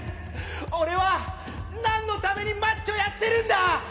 俺は何のためにマッチョやってるんだ！